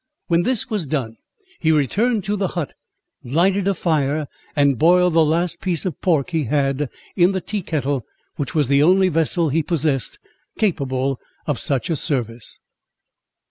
When this was done, he returned to the hut, lighted a fire, and boiled the last piece of pork he had, in the tea kettle, which was the only vessel he possessed, capable of such a service.